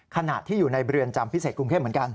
ขณะที่อยู่ในเรือนจำพิเศษกรุงเทพเหมือนกัน